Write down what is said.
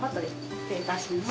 失礼いたします。